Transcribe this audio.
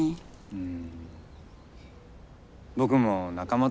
うん。